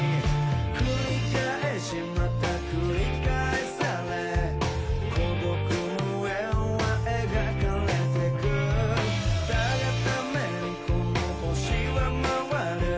繰り返しまた繰り返され孤独無援は描かれていく誰が為にこの星は回る？